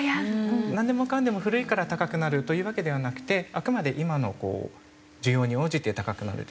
なんでもかんでも古いから高くなるというわけではなくてあくまで今の需要に応じて高くなるという形になります。